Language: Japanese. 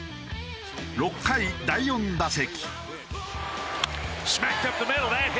６回第４打席。